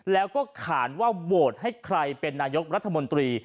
แล้วก็ขานว่าโหวตให้ใครเป็นนายกรัฐมนตรี